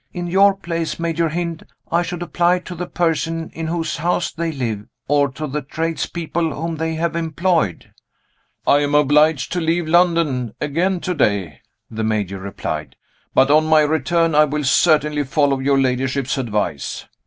In your place, Major Hynd, I should apply to the person in whose house they live, or to the tradespeople whom they have employed." "I am obliged to leave London again to day," the Major replied; "but on my return I will certainly follow your ladyship's advice."